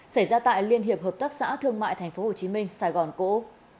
xảy ra tại liên hiệp hợp tác xã thương mại tp hcm sài gòn cổ ú